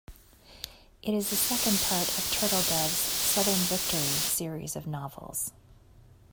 It is the second part of Turtledove's Southern Victory series of novels.